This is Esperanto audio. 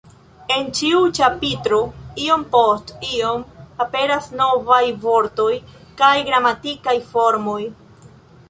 En ĉiu ĉapitro iom post iom aperas novaj vortoj kaj gramatikaj formoj.